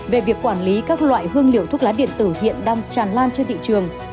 về việc quản lý các loại hương liệu thuốc lá điện tử hiện đang tràn lan trên thị trường